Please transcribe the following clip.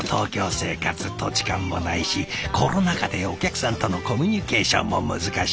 土地勘もないしコロナ禍でお客さんとのコミュニケーションも難しい。